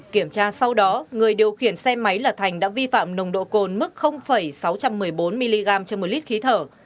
kiểm tra sau đó người điều khiển xe máy là thành đã vi phạm nồng độ cồn mức sáu trăm một mươi bốn mg trên một lít khí thở